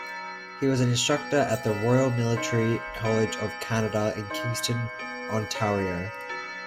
He was an instructor at the Royal Military College of Canada in Kingston, Ontario.